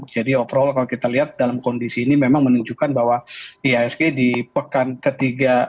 jadi overall kalau kita lihat dalam kondisi ini memang menunjukkan bahwa ihsg di pekan ketiga